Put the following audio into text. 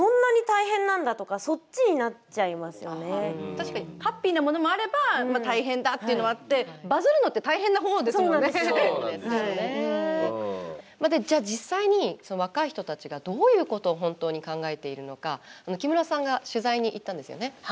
確かにハッピーなものもあれば大変だっていうのもあって実際に若い人たちがどういうことを本当に考えているのか木村さんが取材に行ったんですよね。